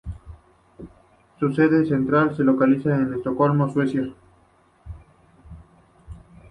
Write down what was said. Su sede central se localizaba en Estocolmo, Suecia.